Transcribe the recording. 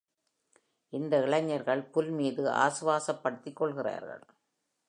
இந்த இளைஞர்கள் புல் மீது ஆசுவாசப்படுத்திக் கொள்கிறார்கள்.